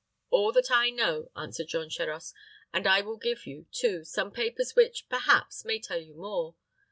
"All that I know," answered Jean Charost; "and I will give you, too, some papers which, perhaps, may tell you more.